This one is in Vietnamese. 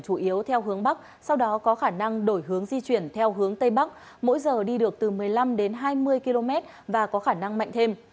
tâm bão di chuyển theo hướng bắc sau đó có khả năng đổi hướng di chuyển theo hướng tây bắc mỗi giờ đi được từ một mươi năm đến hai mươi km và có khả năng mạnh thêm